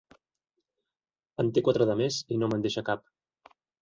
En té quatre de més i no me'n deixa cap.